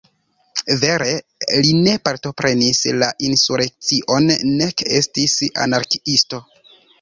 Vere li ne partoprenis la insurekcion nek estis anarkiisto.